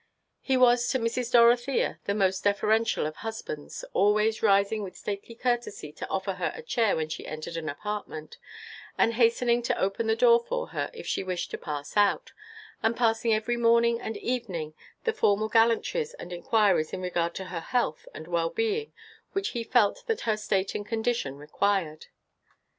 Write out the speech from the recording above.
He was to Mrs. Dorothea the most deferential of husbands, always rising with stately courtesy to offer her a chair when she entered an apartment, and hastening to open the door for her if she wished to pass out, and passing every morning and evening the formal gallantries and inquiries in regard to her health and well being which he felt that her state and condition required.